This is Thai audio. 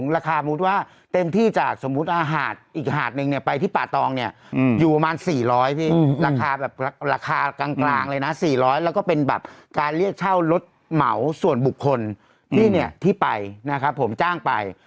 ราคากลางเลยนะ๔๐๐แล้วก็เป็นแบบการเลือกเช่ารถเหมาส่วนบุคคลที่เนี่ยไปนะครับผมจ้างไป